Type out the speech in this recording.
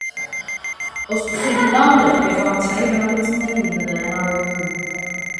Օսթսիդլանգը, գերմանացիների բնակեցումն էր միջնադարյան արևելքում։